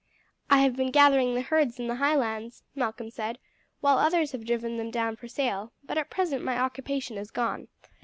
"I have been gathering the herds in the Highlands," Malcolm said, "while others have driven them down for sale; but at present my occupation is gone.